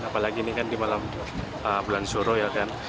apalagi ini kan di malam bulan suro ya kan